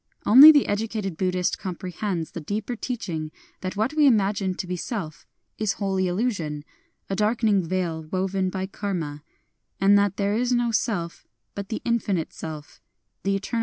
Only the educated Buddhist comprehends the deeper teaching that what we imagine to be SeK is wholly illusion, — a darkening veil woven by Karma ; and that there is no Self but the Infinite Self, the eternal Absolute.